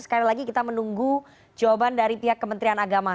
sekali lagi kita menunggu jawaban dari pihak kementerian agama